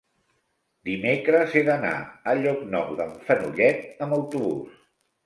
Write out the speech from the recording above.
Dimecres he d'anar a Llocnou d'en Fenollet amb autobús.